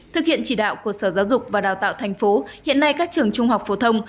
thực hiện chỉ đạo của sở giáo dục và đào tạo thành phố hiện nay các trường trung học phổ thông